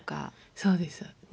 そうです。